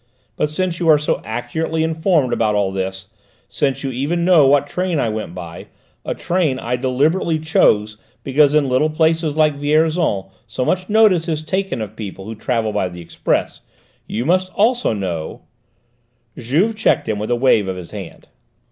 But since you are so accurately informed about all this, since you even know what train I went by, a train I deliberately chose because in little places like Vierzon so much notice is taken of people who travel by the express, you must also know " Juve checked him with a wave of the hand.